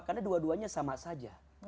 karena dua duanya sama saja